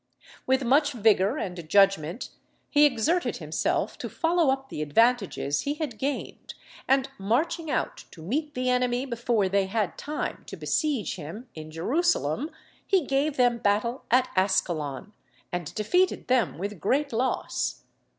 With much vigour and judgment he exerted himself to follow up the advantages he had gained, and marching out to meet the enemy before they had time to besiege him in Jerusalem, he gave them battle at Ascalon, and defeated them with great loss.